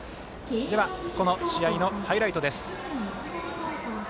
この試合のハイライトです。